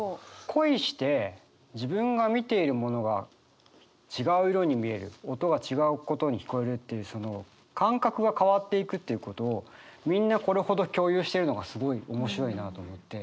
恋して自分が見ているものが違う色に見える音が違うことに聞こえるっていうその感覚が変わっていくっていうことをみんなこれほど共有してるのがすごい面白いなと思って。